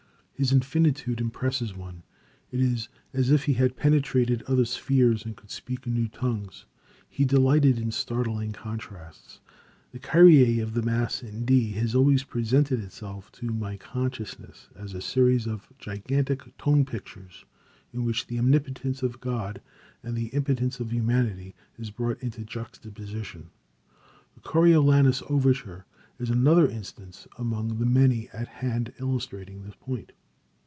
His infinitude impresses one. It is as if he had penetrated other spheres and could speak in new tongues. He delighted in startling contrasts. The Kyrie of the Mass in D has always presented itself to my consciousness as a series of gigantic tone pictures, in which the omnipotence of God, and the impotence of humanity is brought into juxtaposition. The Coriolanus overture is another instance among the many at hand illustrating this point.